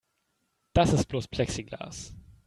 Das ist bloß Plexiglas.